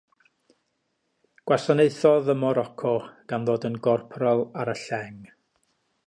Gwasanaethodd ym Moroco, gan ddod yn gorporal ar y Lleng.